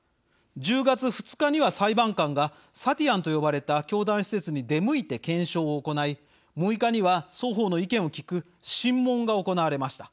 １０月２日には裁判官がサティアンと呼ばれた教団施設に出向いて検証を行い６日には双方の意見を聞く審問が行われました。